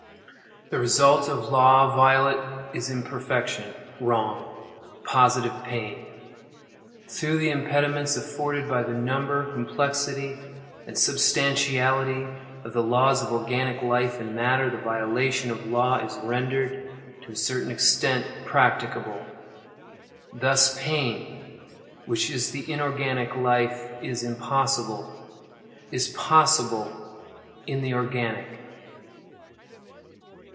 The result of law violate is imperfection, wrong, positive pain. Through the impediments afforded by the number, complexity, and substantiality of the laws of organic life and matter, the violation of law is rendered, to a certain extent, practicable. Thus pain, which in the inorganic life is impossible, is possible in the organic.